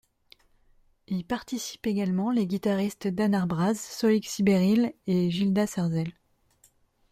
Y participent également les guitaristes Dan Ar Braz, Soïg Sibéril et Gildas Arzel.